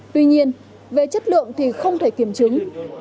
tuy nhiên về chất lượng thì không thể kiểm chứng